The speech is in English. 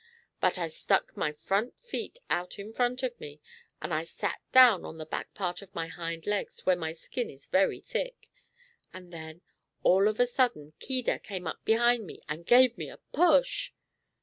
But I stuck my front feet out in front of me, and I sat down on the back part of my hind legs, where my skin is very thick, and then, all of a sudden Keedah came up behind me and gave me a push."